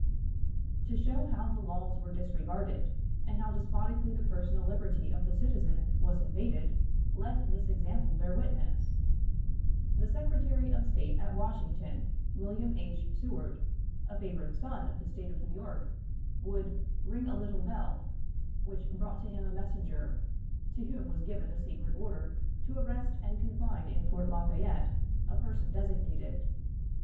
To show how the laws were disregarded, and how despotically the personal liberty of the citizen was invaded, let this example bear witness: The Secretary of State at Washington, William H. Seward, a favored son of the State of New York, would "ring a little bell," which brought to him a messenger, to whom was given a secret order to arrest and confine in Fort Lafayette a person designated.